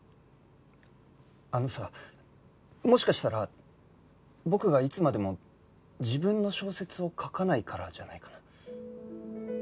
あのさもしかしたら僕がいつまでも自分の小説を書かないからじゃないかな？